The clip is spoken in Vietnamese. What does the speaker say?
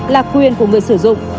là quyền của người sử dụng